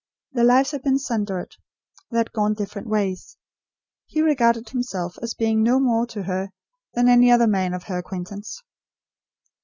Their lives had been sundered; they had gone different ways. He regarded himself as being no more to her than any other man of her acquaintance.